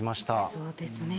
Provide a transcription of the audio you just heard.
そうですね。